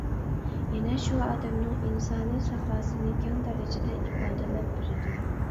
يەنە شۇ ئادەمنىڭ ئىنسانىي ساپاسىنى كەڭ دەرىجىدە ئىپادىلەپ بېرىدۇ.